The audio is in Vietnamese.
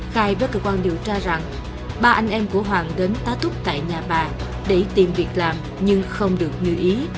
khai với cơ quan điều tra rằng ba anh em của hoàng đến tá túc tại nhà bà để tìm việc làm nhưng không được như ý